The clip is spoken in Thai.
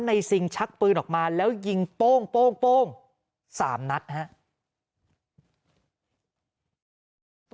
ในซิงชักปืนออกมาแล้วยิงโป้งโป้งโป้งสามนัดครับ